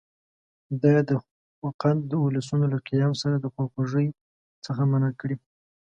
دا یې د خوقند د اولسونو له قیام سره د خواخوږۍ څخه منع کړي.